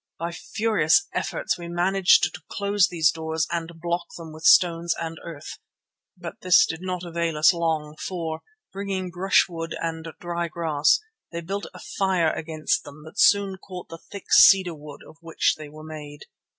By furious efforts we managed to close these doors and block them with stones and earth. But this did not avail us long, for, bringing brushwood and dry grass, they built a fire against them that soon caught the thick cedar wood of which they were made.